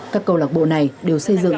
các câu lạc bộ này đều xây dựng